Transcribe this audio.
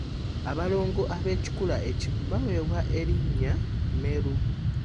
Abalongo ab’ekikula ekimu baweebwa elinnya Meeru.